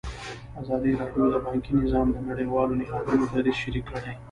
ازادي راډیو د بانکي نظام د نړیوالو نهادونو دریځ شریک کړی.